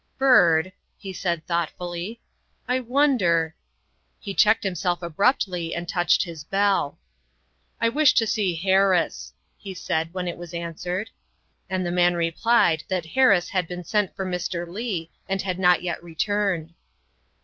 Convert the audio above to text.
" Byrd," he said thoughtfully, " I wonder " 184 THE WIFE OF He checked himself abruptly and touched his bell. '' I wish to see Harris, '' he said when it was answered. And the man replied that Harris had been sent for Mr. Leigh and had not yet returned.